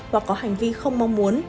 hoặc có hành vi không mong muốn